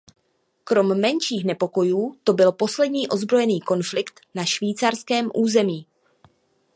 Krom menších nepokojů to byl poslední ozbrojený konflikt na švýcarském území.